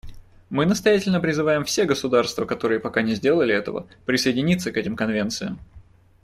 Мы настоятельно призываем все государства, которые пока не сделали этого, присоединиться к этим конвенциям.